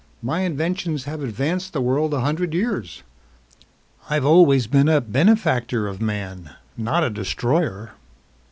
My inventions have advanced the world a hundred years. I've always been a benefactor of man, not a destroyer."